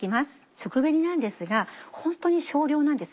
食紅なんですがホントに少量なんです。